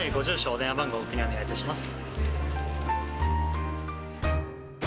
お電話番号ご記入お願いいたします」